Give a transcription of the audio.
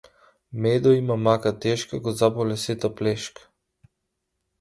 Медо има мака тешка го заболе сета плешка.